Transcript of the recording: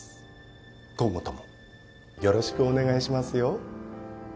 今後ともよろしくお願いしますよ。